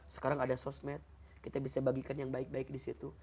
sekarang ada sosmed kita bisa bagikan yang baik baik di situ